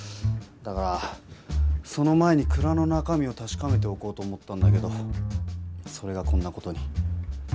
だからその前に蔵の中身をたしかめておこうと思ったんだけどそれがこんな事に。